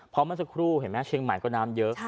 เพราะเมื่อสักครู่เห็นไหมเชียงใหม่ก็น้ำเยอะ